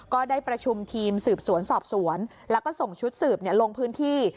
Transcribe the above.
ก็ได้ประชุมทีมสืบสวนสอบสวนแล้วก็ส่งชุดสืบลงพื้นที่